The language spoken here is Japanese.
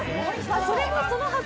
それもそのはず